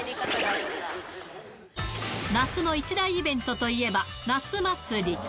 夏の一大イベントといえば、夏祭り。